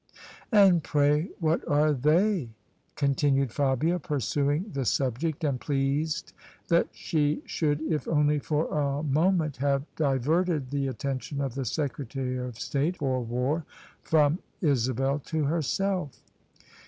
"And pray what are they?" continued Fabia pursuing the subject, and pleased that she should — if only for a mo ment — ^have diverted the attention of the Secretary of State for War from Isabel to herself.